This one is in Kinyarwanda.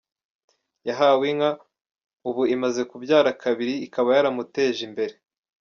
Yahawe inka, ubu imaze kubyara kabiri ikaba yaramuteje imbere.